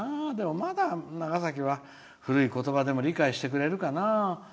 まだ、長崎は古い言葉でも理解してくれるかな。